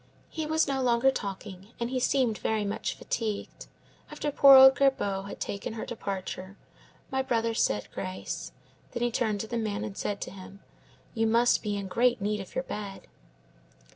He was no longer talking, and he seemed very much fatigued. After poor old Gerbaud had taken her departure, my brother said grace; then he turned to the man and said to him, 'You must be in great need of your bed.